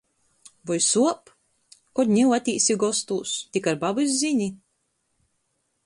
Voi suop? Kod niu atīsi gostūs, tik ar babys zini?